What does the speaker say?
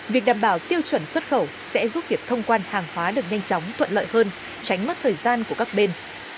việc đảm bảo tiêu chuẩn xuất khẩu sẽ giúp việc thông quan hàng hóa được nhanh chóng thuận lợi hơn tránh mất thời gian của các bên